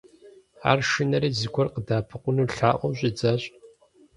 Ар шынэри, зыгуэр къыдэӀэпыкъуну лъаӀуэу щӀидзащ.